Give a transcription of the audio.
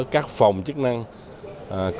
các phòng chức năng có thể quan sát được